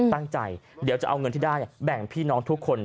ตั้งใจเดี๋ยวจะเอาเงินที่ได้แบ่งพี่น้องทุกคน